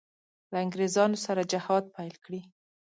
له انګرېزانو سره جهاد پیل کړي.